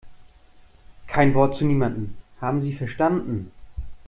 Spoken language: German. Kein Wort zu niemandem, haben Sie verstanden?